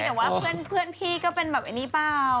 แต่ว่าเพื่อนพี่ก็เป็นแบบไอ้นี่เปล่า